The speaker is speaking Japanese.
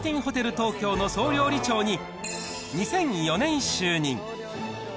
東京の総料理長に２００４年就任。